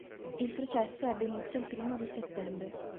Il processo ebbe inizio il primo di settembre.